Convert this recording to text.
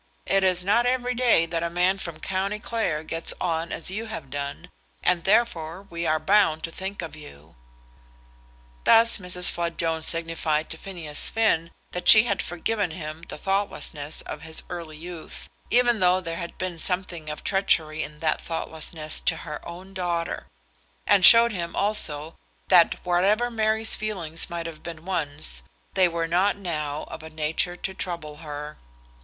It is not every day that a man from County Clare gets on as you have done, and therefore we are bound to think of you." Thus Mrs. Flood Jones signified to Phineas Finn that she had forgiven him the thoughtlessness of his early youth, even though there had been something of treachery in that thoughtlessness to her own daughter; and showed him, also, that whatever Mary's feelings might have been once, they were not now of a nature to trouble her.